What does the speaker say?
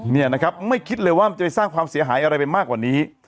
เนี่ยนะครับไม่คิดเลยว่ามันจะไปสร้างความเสียหายอะไรไปมากกว่านี้